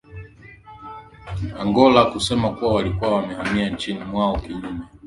a ya angola kusema kuwa walikuwa wamehamia nchini mwao kinyume